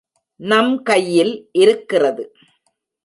நம் கையில் இருக்கிறது.